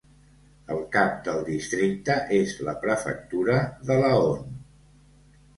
El cap del districte és la prefectura de Laon.